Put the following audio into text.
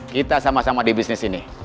kita sama sama di bisnis ini